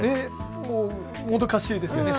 もどかしいですよね。